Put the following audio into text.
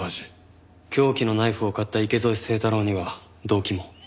凶器のナイフを買った池添清太郎には動機も。